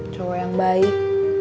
cowok yang baik